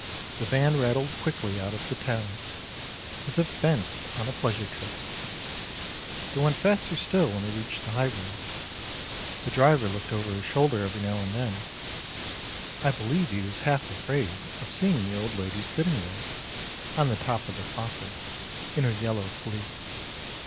The van rattled quickly out of the town, as if bent on a pleasure trip. They went faster still when they reached the high road. The driver looked over his shoulder every now and then; I believe he was half afraid of seeing the old lady sitting there, on the top of the coffin, in her yellow pelisse.